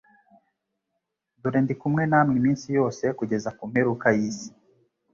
«dore ndi kumwe namwe iminsi yose kugeza ku mperuka y'isi.;»